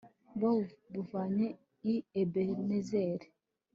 babuvanye i ebenezeri